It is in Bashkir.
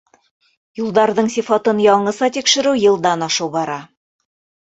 Юлдарҙың сифатын яңыса тикшереү йылдан ашыу бара.